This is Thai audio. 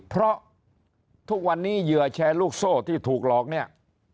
เพราะทุกวันนี้เหยื่อแชร์ลูกโซ่ที่ถูกหลอกเนี่ย